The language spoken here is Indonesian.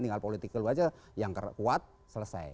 tinggal politik keluar saja yang kuat selesai